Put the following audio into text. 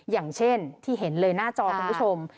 อย่างเช่นที่เห็นเลยหน้าจอคุณผู้ชม